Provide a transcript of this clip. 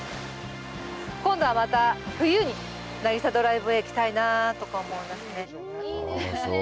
今度はまた冬に、なぎさドライブウェイ来たいなとか思いますね。